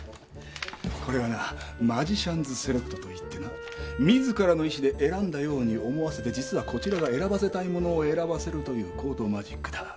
これはなマジシャンズセレクトといってな自らの意思で選んだように思わせて実はこちらが選ばせたいものを選ばせるという高等マジックだ。